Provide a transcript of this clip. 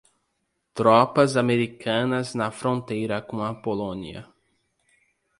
Tropas americanas na fronteira com a Polônia